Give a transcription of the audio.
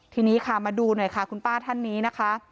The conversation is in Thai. ทีนี้ค่ะมาดูหน่อยค่ะคุณป้าท่านนี้นะคะ